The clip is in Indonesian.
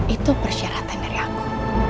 itu persyaratan dari aku